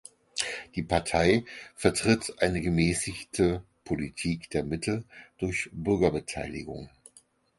Die Partei vertritt eine gemäßigte Politik der Mitte durch Bürgerbeteiligung.